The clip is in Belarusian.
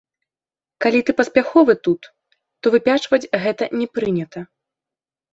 Калі ты паспяховы тут, то выпячваць гэта не прынята.